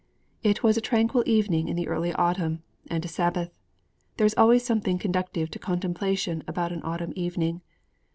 It was a tranquil evening in the early autumn, and a Sabbath. There is always something conducive to contemplation about an autumn evening.